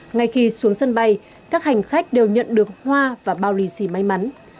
ngay khi xuống sân bay các hành khách đều nhận được hoa và bao lì xì may mắn